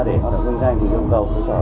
để hoạt động doanh doanh thì yêu cầu cơ sở